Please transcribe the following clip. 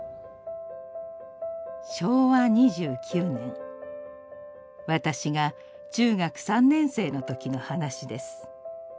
「昭和２９年私が中学３年生の時の話です。